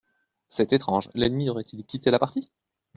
C'est étrange, l'ennemi aurait-il quitté la partie ?.